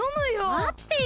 まってよ！